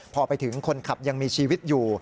พอไปถึงคนขับยังมีชีวิตอยู่